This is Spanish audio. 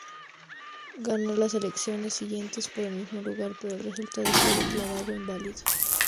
Ganó las elecciones siguientes por el mismo lugar, pero el resultado fue declarado inválido.